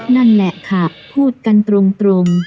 นั่นแหละค่ะพูดกันตรง